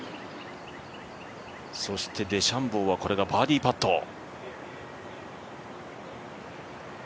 そしてデシャンボーはこれがバーディーパット。